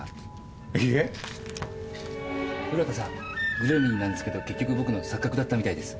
「グレムリン」なんですけど結局僕の錯覚だったみたいです。